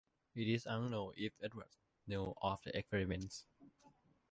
It is unknown if Edwards knew of the experiments.